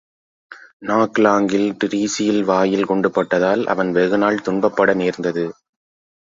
நாக்லாங்கில் டிரீஸியில் வாயில் குண்டு பட்டதால், அவன் வெகுநாள் துன்பப்பட தேர்ந்துது.